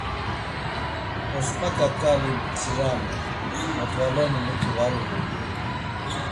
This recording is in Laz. Osma ǩaǩali mtziramu, modvaloni muti var uğut̆u.